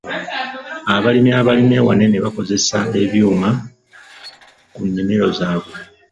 Abalimi abalima awanene bakozesa ebyuma ku nnimiro zaabwe.